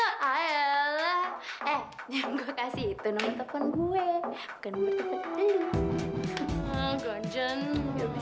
ayo lah eh yang gue kasih itu nomor telepon gue bukan nomor telepon lu